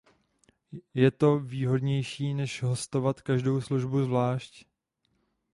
Je to výhodnější než hostovat každou službu zvlášť.